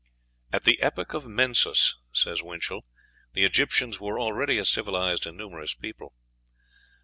"At the epoch of Menes," says Winchell, "the Egyptians were already a civilized and numerous people.